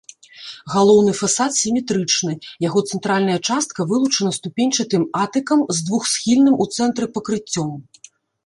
Галоўны фасад сіметрычны, яго цэнтральная частка вылучана ступеньчатым атыкам з двухсхільным у цэнтры пакрыццём.